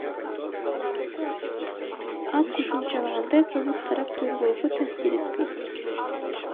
Ал кошумчалагандай, кыргыз тарап тергөөгө таасир этпейт.